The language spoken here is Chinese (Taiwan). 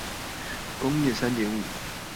工業三點五